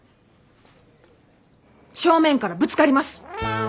正面からぶつかります！